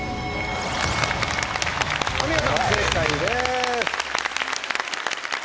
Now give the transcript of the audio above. お見事正解です。